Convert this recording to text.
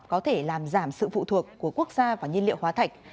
có thể làm giảm sự phụ thuộc của quốc gia và nhiên liệu hóa thạch